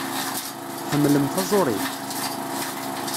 Tḥemmlem taẓuri?